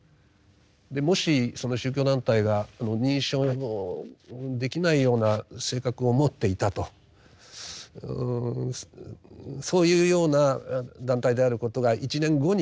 もしその宗教団体が認証できないような性格を持っていたとそういうような団体であることが１年後に判明してもですね